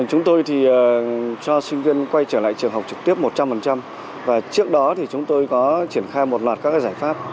chúng tôi cho sinh viên quay trở lại trường học trực tiếp một trăm linh và trước đó thì chúng tôi có triển khai một loạt các giải pháp